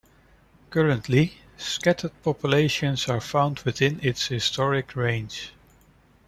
Currently, scattered populations are found within its historic range.